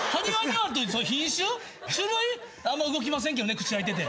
あんま動きませんけどね口開いてて。